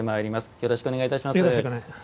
よろしくお願いします。